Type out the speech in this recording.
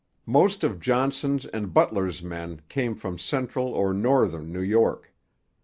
Most of Johnson's and Butler's men came from central or northern New York.